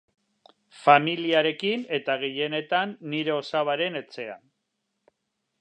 Familiarekin eta gehienetan nire osabaren etxean.